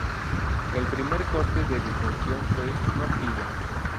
El primer corte de difusión fue "No fila".